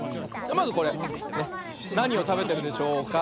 まずこれなにをたべてるでしょうか。